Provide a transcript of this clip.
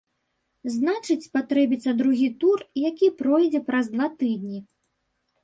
Значыць, спатрэбіцца другі тур, які пройдзе праз два тыдні.